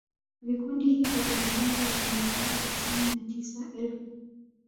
Vikundi hivi vina jumla ya mizinga tisini na tisa elfu